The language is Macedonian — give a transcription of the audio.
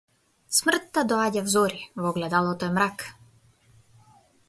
Смртта доаѓа взори, во огледалото е мрак.